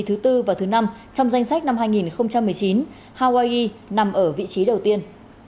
thứ tư và thứ năm trong danh sách năm hai nghìn một mươi chín hawaii nằm ở vị trí đầu tiên